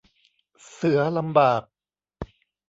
เสือลำบาก